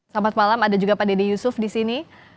selamat malam ada juga pak dede yusuf di sini